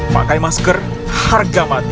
pakai masker harga mati